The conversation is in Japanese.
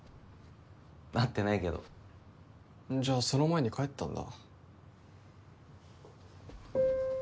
会ってないけどじゃあその前に帰ったんだ